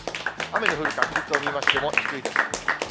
雨の降る確率を見ましても低いです。